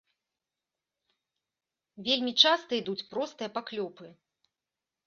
Вельмі часта ідуць простыя паклёпы.